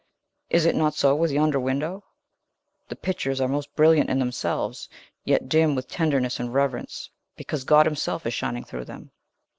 Is it not so with yonder window? The pictures are most brilliant in themselves, yet dim with tenderness and reverence, because God himself is shining through them."